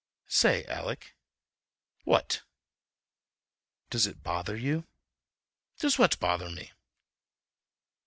"Say, Alec." "What?" "Does it bother you?" "Does what bother me?"